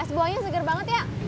es bawangnya segar banget ya